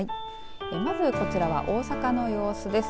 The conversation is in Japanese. まず、こちらは大阪の様子です。